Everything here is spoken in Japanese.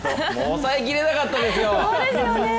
抑えきれなかったですよ。